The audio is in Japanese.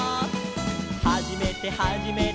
「はじめてはじめて」